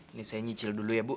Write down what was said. ini saya nyicil dulu ya bu